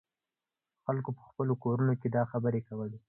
خلکو په خپلو کورونو کې دا خبرې کولې.